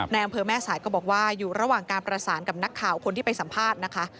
อำเภอแม่สายก็บอกว่าอยู่ระหว่างการประสานกับนักข่าวคนที่ไปสัมภาษณ์นะคะ